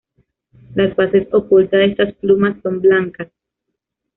Las bases ocultas de estas plumas son blancas.